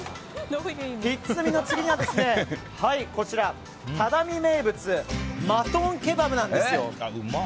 ひっつみの次は只見名物マトンケバブなんですよ。